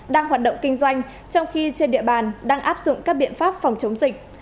đang hoạt động kinh doanh trong khi trên địa bàn đang áp dụng các biện pháp phòng chống dịch